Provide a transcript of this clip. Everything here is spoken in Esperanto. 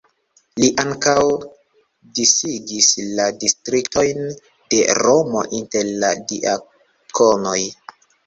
Li ankaŭ disigis la distriktojn de Romo inter la diakonoj.